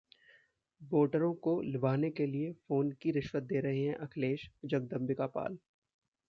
वोटरों को लुभाने के लिए फोन की रिश्वत दे रहे हैं अखिलेश: जगदंबिका पाल